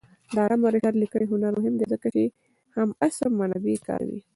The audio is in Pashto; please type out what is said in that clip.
د علامه رشاد لیکنی هنر مهم دی ځکه چې همعصر منابع کاروي.